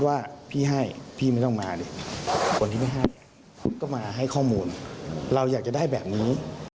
ถ้างั้นก็มาให้ข้อมูลเราอยากจะได้แบบนี้